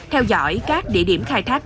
theo dõi các địa điểm khai thác